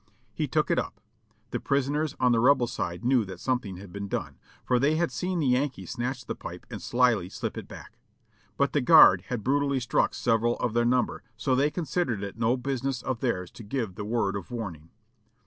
He took it up. The prison ers on the Rebel side knew that something had been done, for they had seen the Yankee snatch the pipe and slyly slip it back; but the guard had brutally struck several of their number, so they considered it no business of theirs to give the word of warning.